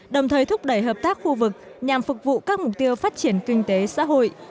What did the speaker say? đồng thời thúc đẩy hợp tác khu vực nhằm phục vụ các mục tiêu phát triển kinh tế xã hội